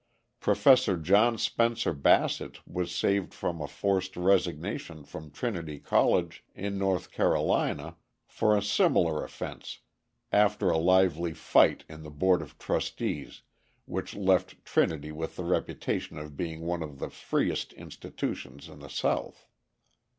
Professor John Spencer Bassett was saved from a forced resignation from Trinity College in North Carolina for a similar offence after a lively fight in the Board of Trustees which left Trinity with the reputation of being one of the freest institutions in the South.